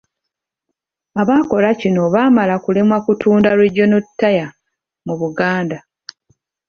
Abaakola kino baamala kulemwa kutunda Regional Tier mu Buganda.